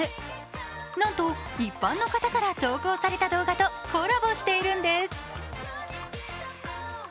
なんと一般の方から投稿された動画とコラボしているんです。